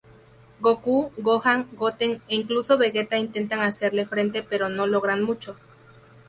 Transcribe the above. Gokū, Gohan, Goten, e incluso Vegeta intentan hacerle frente pero no logran mucho.